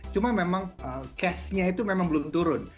cuma memang cashnya itu memang belum turun